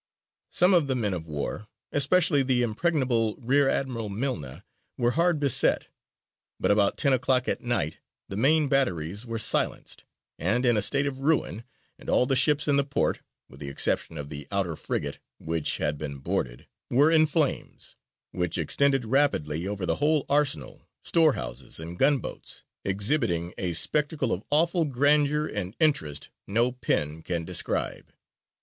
Some of the men of war, especially the Impregnable, Rear Admiral Milne, were hard beset; but about ten o'clock at night the main batteries were silenced, and in a state of ruin, and "all the ships in the port, with the exception of the outer frigate [which had been boarded], were in flames, which extended rapidly over the whole arsenal, storehouses, and gun boats, exhibiting a spectacle of awful grandeur and interest no pen can describe."